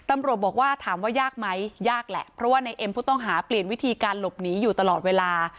ไม่ยากแหละเพราะว่านายเอ็มผู้ต้องหาเปลี่ยนวิธีการหลบหนีอยู่ตลอดเวลา